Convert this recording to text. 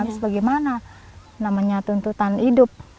harus bagaimana namanya tuntutan hidup